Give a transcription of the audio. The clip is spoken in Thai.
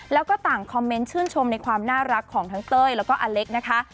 แล้วก็ต่างคอมเมนต์ชื่นชมในความน่ารักของทั้งเต้ยแล้วก็อเล็กนะคะ